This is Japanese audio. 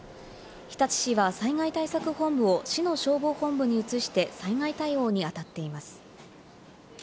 日立市は災害対策本部を市の消防本部に移して、災害対応に当たっています。